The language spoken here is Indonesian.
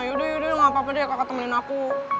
yaudah yaudah gak apa apa deh kakak temenin aku